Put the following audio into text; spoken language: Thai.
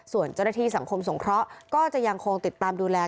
ส่วนเจ้าหน้าที่สังคมสงเคราะห์ก็จะยังคงติดตามดูแล